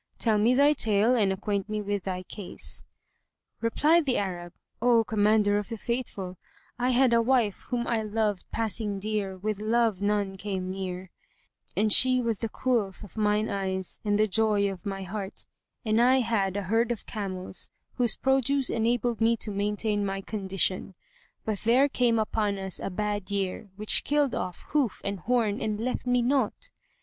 Tell me thy tale and acquaint me with thy case." Replied the Arab, "O Commander of the Faithful, I had a wife whom I loved passing dear with love none came near; and she was the coolth of mine eyes and the joy of my heart; and I had a herd of camels, whose produce enabled me to maintain my condition; but there came upon us a bad year which killed off hoof and horn and left me naught.